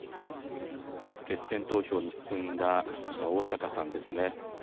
決選投票に進んだこちら、逢坂さんですね。